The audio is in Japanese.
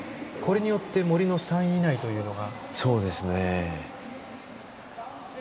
これによって、森の３位以内というのが。